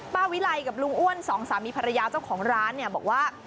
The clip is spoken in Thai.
ค่ะวิไลกับลุงอ้วน๒สามีภรรยาเจ้าของร้านบอกว่า